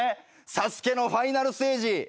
『ＳＡＳＵＫＥ』のＦＩＮＡＬステージ。